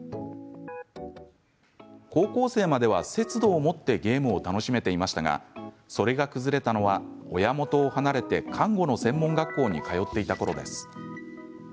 高校生までは節度を持ってゲームを楽しめていましたがそれが崩れたのは親元を離れて看護の専門学校に通っていたころです。